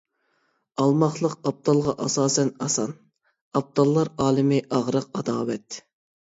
ئالماقلىق ئابدالغا ئاساسەن ئاسان، ئابداللار ئالىمى ئاغرىق ئاداۋەت.